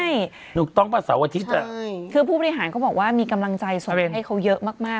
ใช่คือผู้บริหารเขาบอกว่ามีกำลังใจส่งให้เขาเยอะมาก